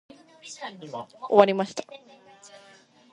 終わりました。